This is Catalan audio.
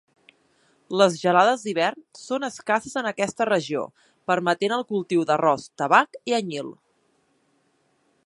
Les gelades d'hivern són escasses en aquesta regió, permetent el cultiu d'arròs, tabac, i anyil.